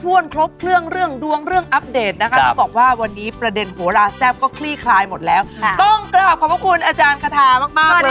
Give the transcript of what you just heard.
ครบเครื่องเรื่องดวงเรื่องอัปเดตนะคะต้องบอกว่าวันนี้ประเด็นโหลาแซ่บก็คลี่คลายหมดแล้วต้องกลับขอบพระคุณอาจารย์คาทามากมากเลย